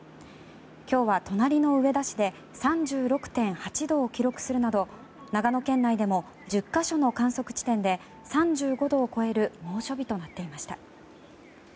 今日は隣の上田市で３６．８度を記録するなど長野県内でも１０か所の観測地点で３５度を超える猛暑日となっていました。